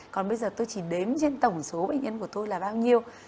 còn bây giờ tôi chỉ đếm trên tổng số bệnh nhân của tôi là bao nhiêu